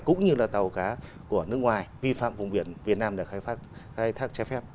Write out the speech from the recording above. cũng như là tàu cá của nước ngoài vi phạm vùng biển việt nam để khai thác chai phép